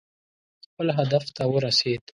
خپل هدف ته ورسېد.